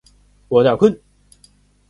我有点困